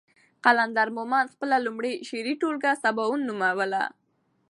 قلندر مومند خپله لومړۍ شعري ټولګه سباوون نوموله.